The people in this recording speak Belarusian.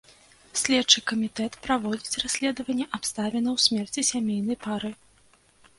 Следчы камітэт праводзіць расследаванне абставінаў смерці сямейнай пары.